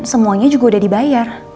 semuanya juga udah dibayar